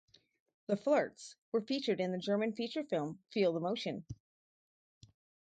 The Flirts were featured in the German feature film "Feel the Motion".